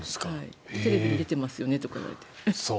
テレビに出てますよねとか言われて。